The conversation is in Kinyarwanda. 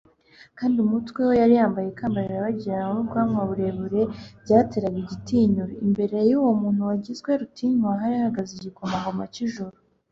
kandi ku mutwe we yari yambaye ikamba rirabagirana n’ubwanwa bwe burebure, byateraga igitinyiro. Imbere y’uwo muntu wagizwe rutinywa hari hahagaze igikomangoma cy’ijuru,